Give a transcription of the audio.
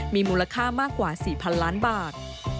มีมูลค่ามากกว่า๔๐๐๐ล้านบาท